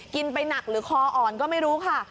ไปหนักหรือคออ่อนก็ไม่รู้ค่ะ